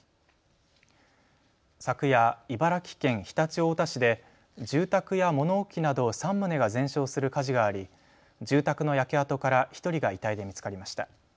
昨夜、茨城県常陸太田市で住宅や物置など３棟が全焼する火事があり、住宅の焼け跡から１人が遺体で見つかりました。